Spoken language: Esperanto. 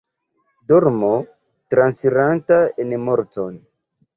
Dormo, transiranta en morton.